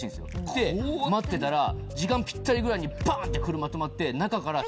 で待ってたら時間ピッタリぐらいにバンって車止まって中から。